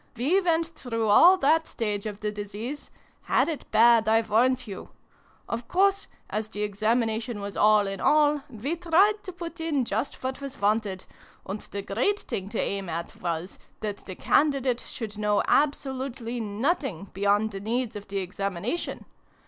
"We went through all that stage of XII] FAIRY MUSIC. 185 the disease had it bad, I warrant you ! Of course, as the Examination was all in all, we tried to put in just what was wanted and the great thing to aim at was, that the Candidate should know absolutely nothing beyond the needs of the Examination